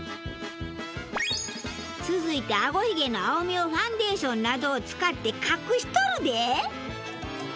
続いてあごひげの青みをファンデーションなどを使って隠しとるで！